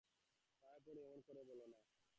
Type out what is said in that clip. পায়ে পড়ি, অমন করে বলো না।